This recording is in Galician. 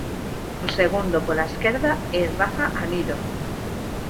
O segundo pola esquerda é Rafa Anido.